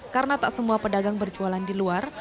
karena tak semua pedagang berjualan di luar